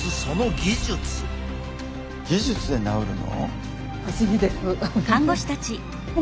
技術で治るの？